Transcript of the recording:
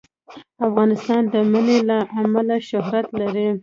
افغانستان د منی له امله شهرت لري.